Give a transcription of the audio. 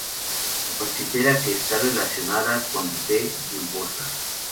Se considera que está relacionada con "D. bulbosa".